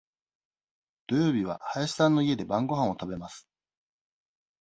土曜日は林さんの家で晩ごはんを食べます。